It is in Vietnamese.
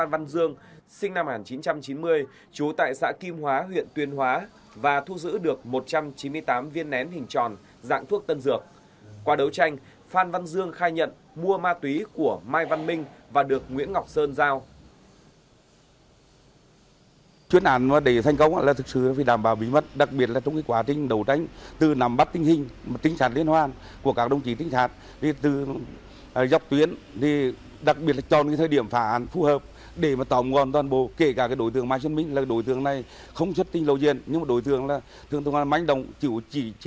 tuyên hóa huyện tuyên hóa tỉnh quảng bình sinh năm một nghìn chín trăm chín mươi hai trú tại xã sơn hóa huyện tuyên hóa tỉnh quảng bình có liên quan đến đường dây vận chuyển tàng trữ trái phép chất ma túy số lượng cực lớn xuyên biên giới và liên tịch